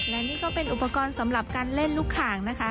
และนี่ก็เป็นอุปกรณ์สำหรับการเล่นลูกขางนะคะ